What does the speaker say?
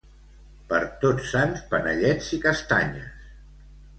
Per Tots Sants panellets i castanyes